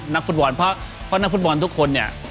นักฟุตบอลเพราะนักฟุตบอลทุกคนเนี่ย